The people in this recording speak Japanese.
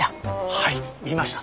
はい見ました。